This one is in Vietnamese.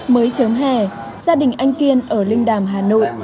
mới chớm hè gia đình anh kiên ở linh đàm hà nội